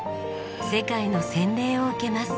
世界の洗礼を受けます。